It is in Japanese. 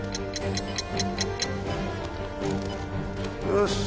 よし！